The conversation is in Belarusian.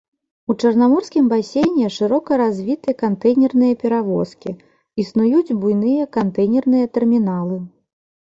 У чарнаморскім басейне шырока развіты кантэйнерныя перавозкі, існуюць буйныя кантэйнерныя тэрміналы.